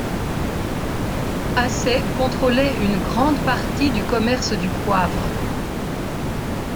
Aceh contrôlait une grande partie du commerce du poivre.